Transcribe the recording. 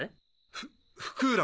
ふ福浦。